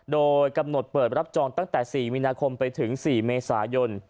โดยกำหนดเปิดรับจองตั้งแต่๔มีนาคมไปถึง๔เมษายน